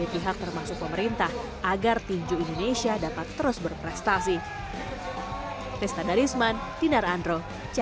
pihak termasuk pemerintah agar tinju indonesia dapat terus berprestasi nesta darisman tinarandro